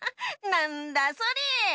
なんだそれ！